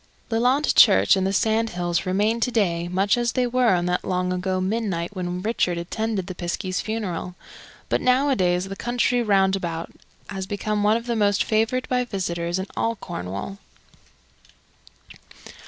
Lelant Church and the sand hills remain to day much as they were on that long ago midnight when Richard attended the piskie's funeral, but nowadays the country round about has become one of the most favoured, by visitors, in all Cornwall.